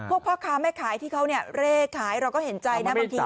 พวกพ่อค้าไม่ขายที่เขาเนี้ยเลขายเราก็เห็นใจนะบางทีเนี้ย